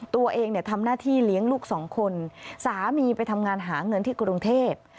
ตัวเองทำหน้าที่เลี้ยงลูกสองคนสามีไปทำงานหาเงินที่กรุงเทพ